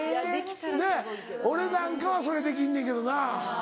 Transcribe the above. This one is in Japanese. ねっ俺なんかはそれできんねんけどな。